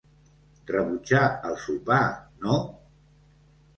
Rebutjar el sopar, no?